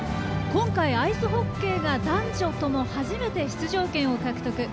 今回、アイスホッケーが男女とも初めて出場権を獲得。